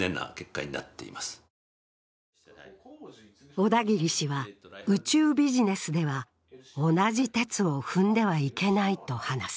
小田切氏は、宇宙ビジネスでは同じてつを踏んではいけないと話す。